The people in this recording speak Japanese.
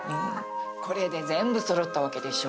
これで全部そろったわけでしょ？